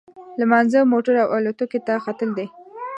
لمانځه، موټر او الوتکې ته ختل دي.